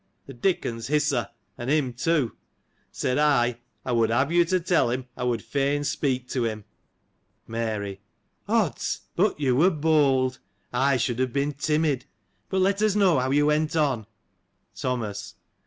(The Dickons hiss her, and him too !) Said I, I would have you to tell him, I would fain speak to him. Mary. — Odds ! but you were bold. I should have been timid. But, let us know how you went on. Thomas.